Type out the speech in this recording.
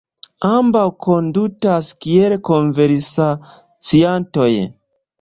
Ambaŭ kondutas kiel konversaciantoj.